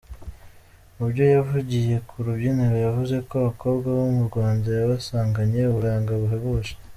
Mu byo yavugiye ku rubyiniro yavuze ko abakobwa bo mu Rwanda yabasanganye uburanga buhebuje.